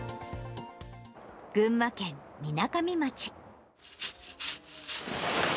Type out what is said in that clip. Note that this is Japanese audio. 群馬県みなかみ町。